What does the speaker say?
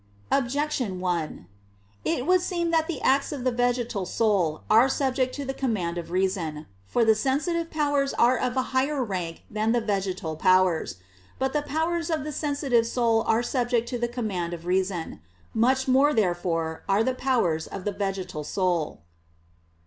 Objection 1: It would seem that the acts of the vegetal soul are subject to the command of reason. For the sensitive powers are of higher rank than the vegetal powers. But the powers of the sensitive soul are subject to the command of reason. Much more, therefore, are the powers of the vegetal soul.